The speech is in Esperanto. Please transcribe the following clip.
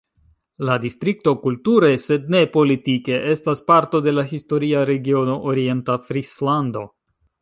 La distrikto kulture, sed ne politike, estas parto de la historia regiono Orienta Frislando.